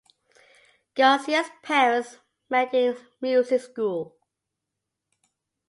Garcia's parents met in music school.